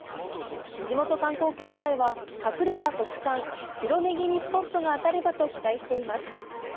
地元観光協会は隠れた特産白ネギにスポットが当たればと期待しています。